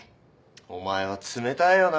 お前は冷たいよな。